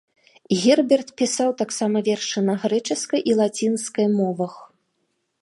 Герберт пісаў таксама вершы на грэчаскай і лацінскай мовах.